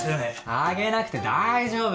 上げなくて大丈夫